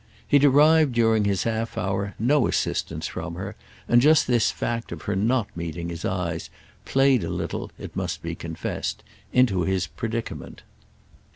He derived during his half hour no assistance from her, and just this fact of her not meeting his eyes played a little, it must be confessed, into his predicament.